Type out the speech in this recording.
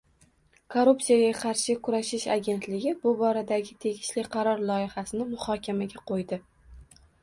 Korrupsiyaga qarshi kurashish agentligi bu boradagi tegishli qaror loyihasini muhokamaga qo‘ydi